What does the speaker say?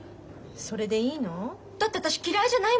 それでいいの？だって私嫌いじゃないもの。